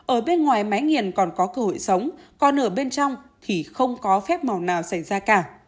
ở bên ngoài máy nghiền còn có cơ hội sống còn ở bên trong thì không có phép màu nào xảy ra cả